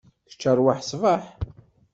Kečč arwaḥ ṣbeḥ.